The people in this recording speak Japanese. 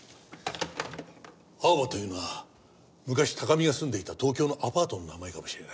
アオバというのは昔高見が住んでいた東京のアパートの名前かもしれない。